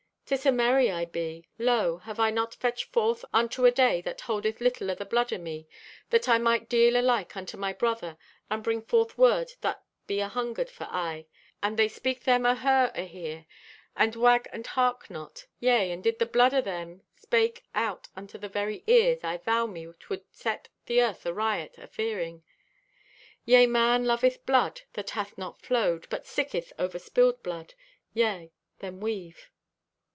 "'Tis a merry I be. Lo, have I not fetched forth unto a day that holdeth little o' the blood o' me, that I might deal alike unto my brother and bring forth word that be ahungered for aye, and they speak them o' her ahere and wag and hark not? Yea, and did the blood o' them spake out unto their very ears I vow me 'twould set the earth ariot o' fearing. Yea, man loveth blood that hath not flowed, but sicketh o'er spilled blood. Yea, then weave."